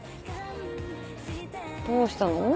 どうしたの？